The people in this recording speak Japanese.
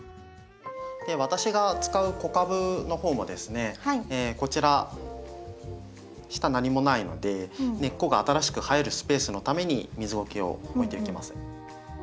私が使う子株の方もですねこちら下何もないので根っこが新しく生えるスペースのために水ごけを置いていきます。